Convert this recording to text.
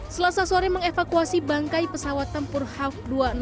selasa sore mengevakuasi bangkai pesawat tempur hav dua ratus sembilan